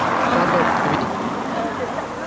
চলো, ফিবি।